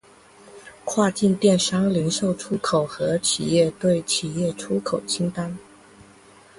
跨境电商零售出口和企业对企业出口清单